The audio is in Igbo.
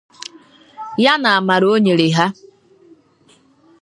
ya na amara o nyere ha